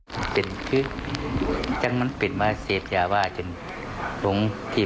ส่วนที่วัดดงรยอมตับบนหุ้ยโพษยาสตร์